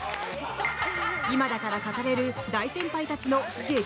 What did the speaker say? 今だから語れる大先輩たちの激